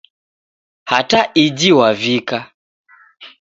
Hata iji Wavika